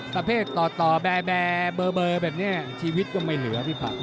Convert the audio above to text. ประเภทต่อแบร์เบอร์แบบนี้ชีวิตก็ไม่เหลือพี่ผัก